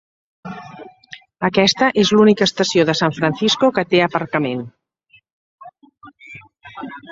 Aquesta és l'única estació de San Francisco que té aparcament.